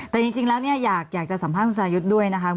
ทีแล้วอยากจะสัมภาษณ์คุณสายุทธ์ด้วย